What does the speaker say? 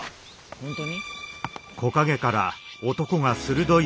・本当に？